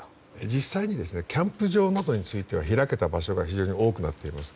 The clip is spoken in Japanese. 実際にキャンプ場などについては開けた場所が非常に多くなっています。